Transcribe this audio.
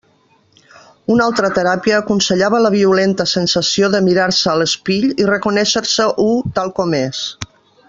Una altra teràpia aconsellava la violenta sensació de mirar-se a l'espill i reconéixer-se u tal com és.